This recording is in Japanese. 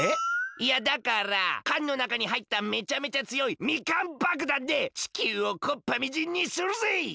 いやだから缶のなかにはいっためちゃめちゃつよいみかんばくだんで地球をこっぱみじんにするぜ！